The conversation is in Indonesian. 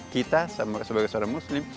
kita sebagai seorang muslim